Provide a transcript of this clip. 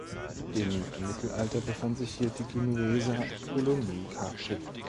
Im Mittelalter befand sich hier die Genueser Kolonie Carpi.